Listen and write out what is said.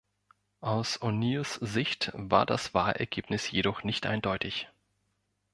Aus O’Neills Sicht war das Wahlergebnis jedoch nicht eindeutig.